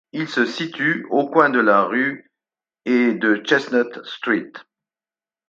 Il se situe au coin de la Rue et de Chestnut Street.